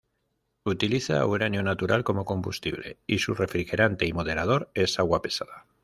Utiliza uranio natural como combustible y su refrigerante y moderador es agua pesada.